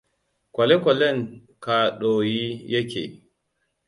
Kwale-kwalen ka ɗoyi ya ke.